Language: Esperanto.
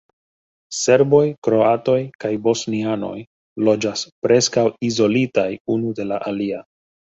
Serboj, kroatoj kaj bosnianoj loĝas preskaŭ izolitaj unu de la alia.